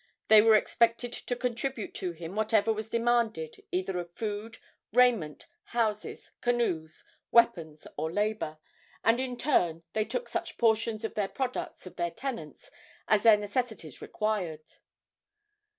They were expected to contribute to him whatever was demanded either of food, raiment, houses, canoes, weapons or labor, and in turn they took such portions of the products of their tenants as their necessities required.